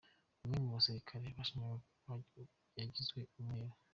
Umwe mu basirikare bashinjwaga yagizwe umwere.